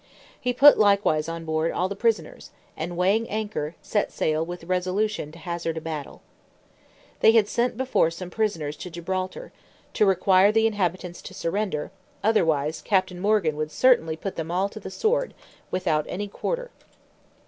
He put likewise on board all the prisoners, and weighing anchor, set sail with resolution to hazard a battle. They had sent before some prisoners to Gibraltar, to require the inhabitants to surrender, otherwise Captain Morgan would certainly put them all to the sword, without any quarter.